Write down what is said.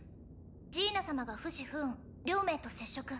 ジーナ様が不死不運両名と接触。